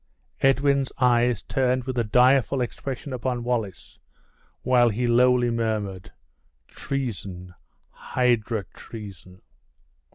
Edwin's eyes turned with a direful expression upon Wallace, while he lowly murmured: "Treason! hydra treason!"